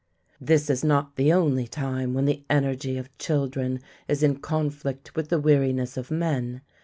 This is not the only time when the energy of children is in conflict with the weariness of men.